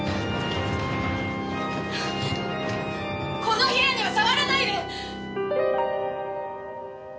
この部屋には触らないで！